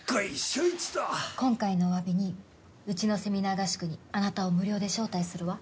今回のおわびにうちのセミナー合宿にあなたを無料で招待するわ。